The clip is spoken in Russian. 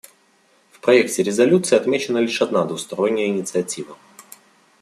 В проекте резолюции отмечена лишь одна двусторонняя инициатива.